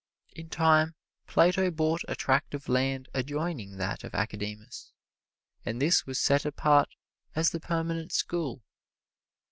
In time Plato bought a tract of land adjoining that of Academus, and this was set apart as the permanent school.